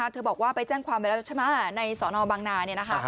บอกว่าไปแจ้งความไปแล้วใช่ไหมในสอนอบังนา